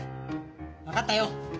わかったよ。